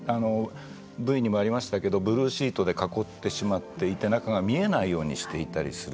Ｖにもありましたけれどもブルーシートで囲ってしまっていて中が見えないようにしていたりする。